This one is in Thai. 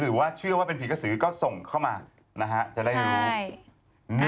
หรือว่าไปดูในไลฟ์ของถ่ายรัฐก็ได้